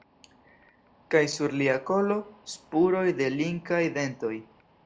Kaj sur lia kolo – spuroj de linkaj dentoj.